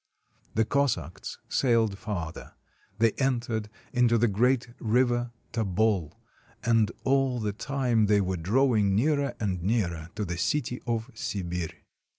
The Cossacks sailed farther. They entered into the great river Tobol, and all the time they were drawing nearer and nearer to the city of Sibir.